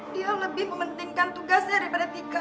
dia lebih mementingkan tugasnya daripada tiket